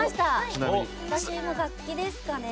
私も楽器ですかね。